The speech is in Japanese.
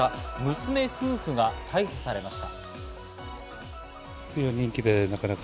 娘夫婦が逮捕されました。